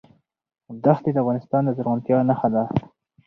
دښتې د افغانستان د زرغونتیا نښه ده.